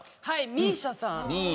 ＭＩＳＩＡさん。